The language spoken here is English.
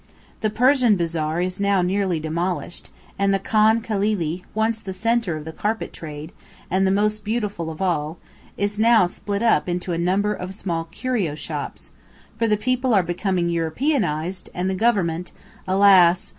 The Persian bazaar is now nearly demolished, and the "Khan Khalili," once the centre of the carpet trade, and the most beautiful of all, is now split up into a number of small curio shops, for the people are becoming Europeanized, and the Government, alas!